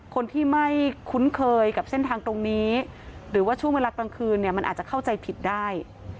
คนที่ไม่คุ้นเคยกับเส้นทางตรงนี้หรือว่าช่วงเวลากลางคืนเนี่ยมันอาจจะเข้าใจผิดได้